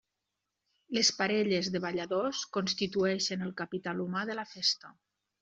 Les parelles de balladors constitueixen el capital humà de la festa.